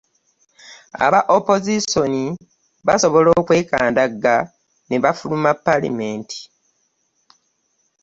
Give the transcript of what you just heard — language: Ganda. Aba opoziisoni basobola okwekandagga ne bafuluma Paalamenti